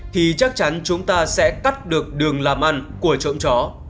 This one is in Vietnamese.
thì chắc chắn chúng ta sẽ cắt được đường làm ăn của trộm chó